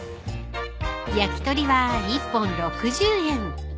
［焼き鳥は１本６０円］